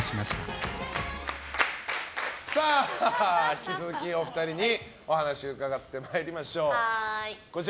引き続きお二人にお話を伺ってまいりましょう。